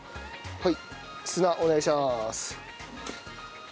はい。